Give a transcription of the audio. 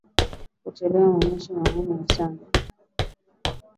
Kutulia mumaisha nikwa mahana sana